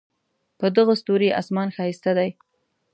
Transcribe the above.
په دغه ستوري آسمان ښایسته دی